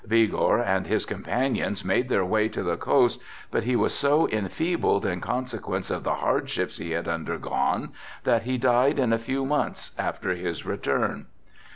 Vigor and his companions made their way to the coast but he was so enfeebled in consequence of the hardships he had undergone that he died in a few months after his return.